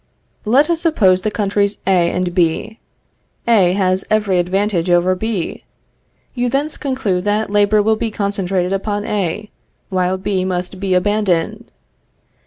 Let us suppose the countries A and B. A has every advantage over B; you thence conclude that labor will be concentrated upon A, while B must be abandoned.